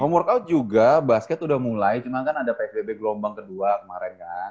nomor workout juga basket udah mulai cuma kan ada psbb gelombang kedua kemarin kan